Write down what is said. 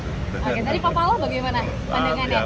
oke tadi pak pala bagaimana pandangannya